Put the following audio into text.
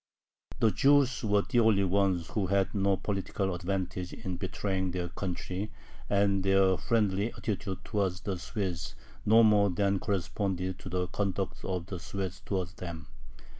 The Jews were the only ones who had no political advantage in betraying their country, and their friendly attitude towards the Swedes no more than corresponded to the conduct of the Swedes towards them.